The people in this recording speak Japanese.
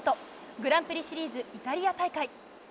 グランプリシリーズイタリア大会。